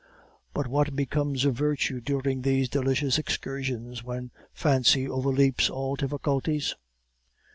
But what becomes of virtue during these delicious excursions, when fancy overleaps all difficulties?